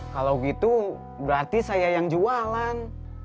kalau gitu berarti saya yang jualan